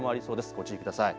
ご注意ください。